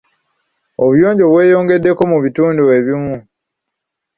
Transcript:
Obuyonjo bweyongeddeko mu bitundu ebimu.